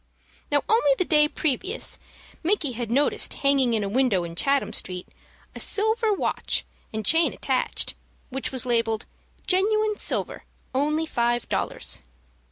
Now, only the day previous, Micky had noticed hanging in a window in Chatham Street, a silver watch, and chain attached, which was labelled "GENUINE SILVER, ONLY FIVE DOLLARS."